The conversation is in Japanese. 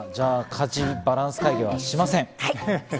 家事バランス会議はしません。